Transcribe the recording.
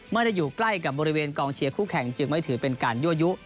ไม่ได้อยู่ใกล้กับบริเวณกองเชียร์คู่แข่งจึงไม่ถือเป็นการยั่วยุ